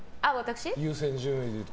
優先順位で。